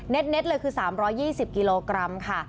เด็ดเลยคือ๓๒๐กิโลกรัมค่ะ